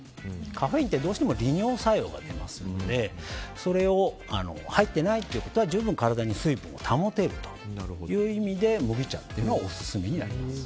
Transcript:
カフェインって、どうしても利尿作用がありますのでそれが入っていないということは十分体に水分を保てるという意味で麦茶というのがオススメになります。